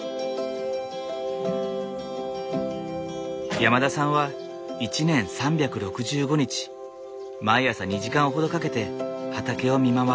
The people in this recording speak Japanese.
山田さんは１年３６５日毎朝２時間程かけて畑を見回る。